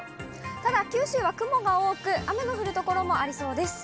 ただ九州は雲が多く、雨の降る所もありそうです。